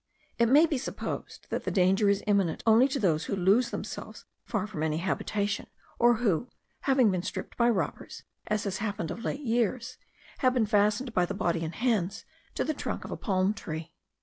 It may be supposed that the danger is imminent only to those who lose themselves far from any habitation, or who, having been stripped by robbers, as has happened of late years, have been fastened by the body and hands to the trunk of a palm tree.